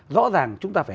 rõ ràng chúng ta phải